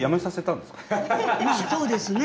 そうですね。